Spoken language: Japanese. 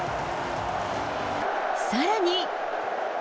さらに。